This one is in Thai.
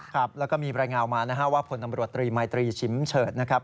ครับแล้วก็มีรายงานมานะฮะว่าผลตำรวจตรีมายตรีชิมเฉิดนะครับ